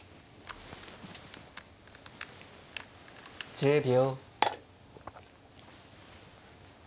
１０秒。